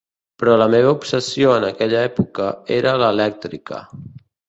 Però la meva obsessió en aquella època era l’elèctrica.